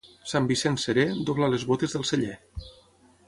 Sant Vicenç serè, dobla les botes del celler.